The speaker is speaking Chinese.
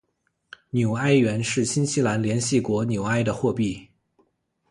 纽埃元是新西兰联系国纽埃的货币。